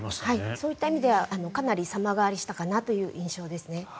そういった意味ではかなり様変わりした印象ですね。